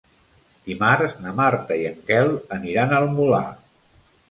Dimarts na Marta i en Quel aniran al Molar.